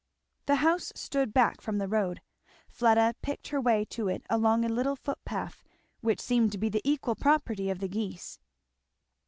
The house stood back from the road. Fleda picked her way to it along a little footpath which seemed to be the equal property of the geese.